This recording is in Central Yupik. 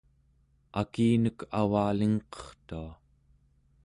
akinek avalingqertua